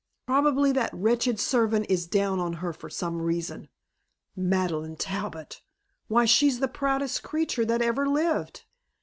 Probably that wretched servant is down on her for some reason. Madeleine Talbot! Why, she's the proudest creature that ever lived."